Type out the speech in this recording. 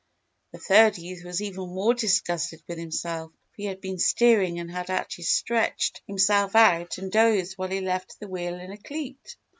The third youth was even more disgusted with himself for he had been steering and had actually stretched himself out and dozed while he left the wheel in a cleat.